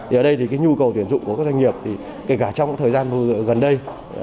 thì ở đây thì nhu cầu tuyển dụng của các doanh nghiệp thì kể cả trong thời gian gần đây